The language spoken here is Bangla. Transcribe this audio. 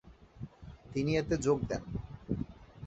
তিনি এতে যোগ দেন।